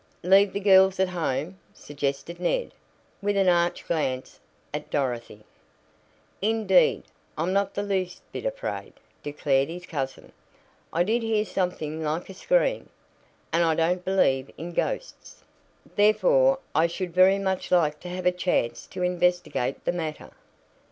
"Leave the girls at home," suggested Ned, with an arch glance at Dorothy. "Indeed, I'm not the least bit afraid," declared his cousin. "I did hear something like a scream, and I don't believe in ghosts. Therefore I should very much like to have a chance to investigate the matter."